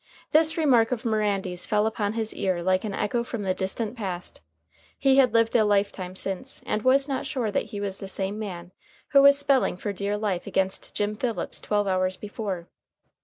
This remark of Mirandy's fell upon his ear like an echo from the distant past. He had lived a lifetime since, and was not sure that he was the same man who was spelling for dear life against Jim Phillips twelve hours before.